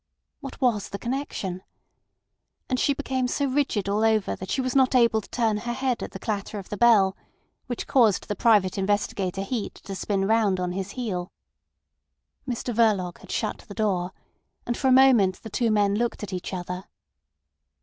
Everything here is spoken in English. What was the connection? And she became so rigid all over that she was not able to turn her head at the clatter of the bell, which caused the private investigator Heat to spin round on his heel. Mr Verloc had shut the door, and for a moment the two men looked at each other.